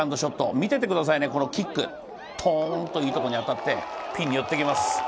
見ててくださいね、このキック、トーンといいところに当たって、ピンに寄ってきます。